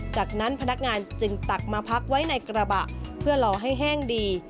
จากนั้นพนักงานจึงตักมาพักไว้ในกระบะเพื่อรอให้แห้งดี